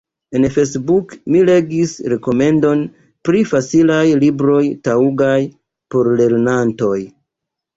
En Facebook mi legis rekomendon pri facilaj libroj taŭgaj por lernantoj.